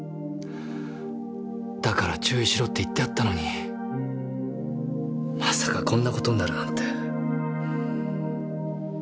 だから注意しろって言ってあったのにまさかこんな事になるなんて。